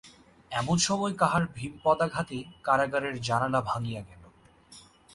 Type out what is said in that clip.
এমন সময় কাহার ভীম পদাঘাতে কারাগারের জানালা ভাঙিয়া গেল।